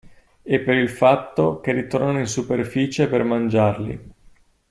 E per il fatto che ritornano in superficie per mangiarli.